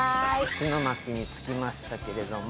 石巻に着きましたけれども。